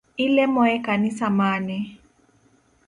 Ilemo e kanisa mane?